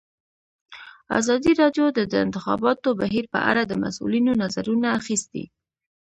ازادي راډیو د د انتخاباتو بهیر په اړه د مسؤلینو نظرونه اخیستي.